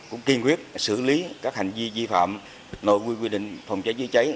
cũng kiên quyết xử lý các hành vi di phạm nội nguyên quy định phòng cháy chữa cháy